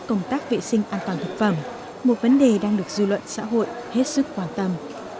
công tác vệ sinh an toàn thực phẩm một vấn đề đang được dư luận xã hội hết sức quan tâm